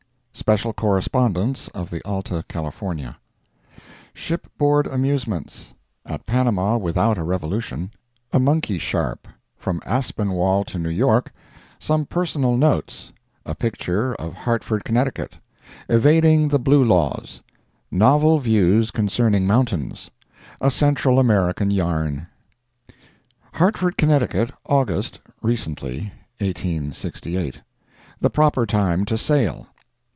[SPECIAL CORRESPONDENCE OF THE ALTA CALIFORNIA] Shipboard Amusements—At Panama without a Revolution—A Monkey Sharp—From Aspinwall to New York—Some Personal Notes—A Picture of Hartford, Conn.—Evading the Blue Laws—Novel Views Concerning Mountains—A Central American Yarn. HARTFORD, Conn., August, Recently, 1868 The Proper Time to Sail.